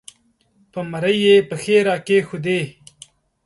پر مرۍ یې پښې را کېښودې